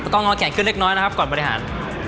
ต้องง้อแขนขึ้นเล็กน้อยนะครับก่อนบริหาร